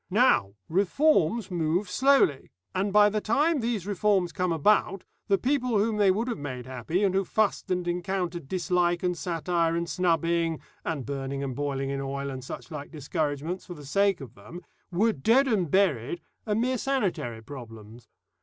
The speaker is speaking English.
Now, reforms move slowly, and by the time these reforms come about, the people whom they would have made happy, and who fussed and encountered dislike and satire and snubbing, and burning and boiling in oil, and suchlike discouragements, for the sake of them, were dead and buried and mere sanitary problems.